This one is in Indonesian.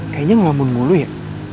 kayaknya ngomongin dulu ya